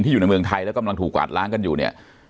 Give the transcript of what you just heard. อยู่ในเมืองไทยแล้วกำลังถูกกวาดล้างกันอยู่เนี่ย